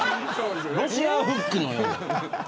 ロシアンフックのような。